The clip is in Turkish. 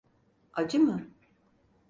Acı mı?